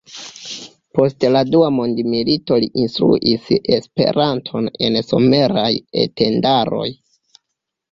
Post la dua mondmilito li instruis Esperanton en someraj E-tendaroj.